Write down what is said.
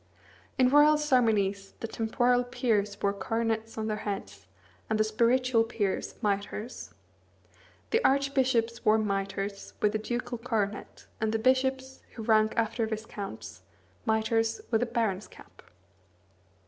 In royal ceremonies the temporal peers wore coronets on their heads, and the spiritual peers, mitres. The archbishops wore mitres, with a ducal coronet; and the bishops, who rank after viscounts, mitres, with a baron's cap.